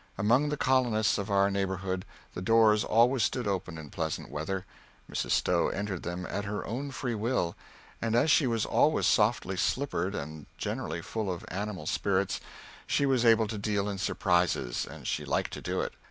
Among the colonists of our neighborhood the doors always stood open in pleasant weather. Mrs. Stowe entered them at her own free will, and as she was always softly slippered and generally full of animal spirits, she was able to deal in surprises, and she liked to do it.